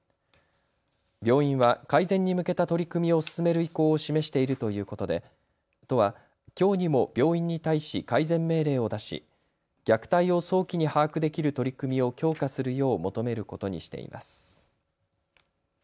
病院は改善に向けた取り組みを進める意向を示しているということで都はきょうにも病院に対し改善命令を出し、虐待を早期に把握できる取り組みを強化するよう求めることにしています。